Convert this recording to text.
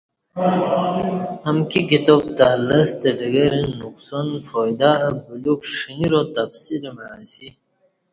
امکی کتاب تہ لستہ ڈگر ،نقصان فائدہ بلیوک ݜنݣرا تفصیل مع اسی